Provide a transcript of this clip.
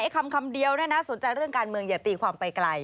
คำเดียวสนใจเรื่องการเมืองอย่าตีความไปไกล